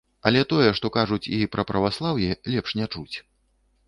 Але тое што кажуць і пра праваслаўе, лепш не чуць.